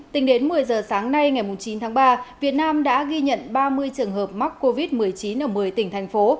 tính đến một mươi giờ sáng nay ngày chín tháng ba việt nam đã ghi nhận ba mươi trường hợp mắc covid một mươi chín ở một mươi tỉnh thành phố